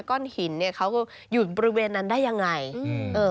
ก้อนหินเขาอยู่บริเวณนั้นได้ยังไง